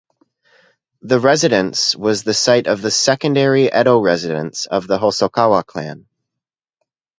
The residence was the site of the secondary Edo residence of the Hosokawa clan.